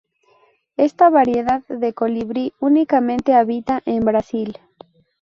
Esta variedad de colibrí únicamente habita en Brasil.